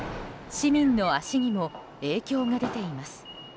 市民の足にも影響が出ています。